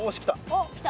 おっ来た。